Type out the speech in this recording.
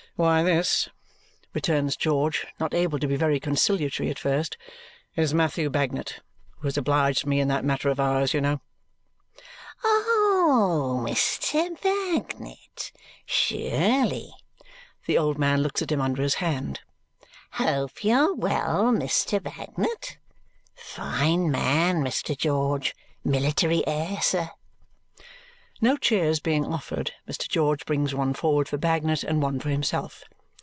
"Why this," returns George, not able to be very conciliatory at first, "is Matthew Bagnet, who has obliged me in that matter of ours, you know." "Oh! Mr. Bagnet? Surely!" The old man looks at him under his hand. "Hope you're well, Mr. Bagnet? Fine man, Mr. George! Military air, sir!" No chairs being offered, Mr. George brings one forward for Bagnet and one for himself.